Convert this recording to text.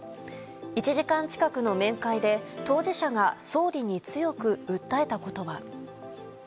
１時間近くの面会で当事者が総理に強く訴えたことは。